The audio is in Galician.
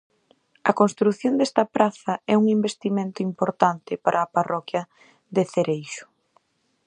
A construción desta praza é un investimento importante para a parroquia de Cereixo.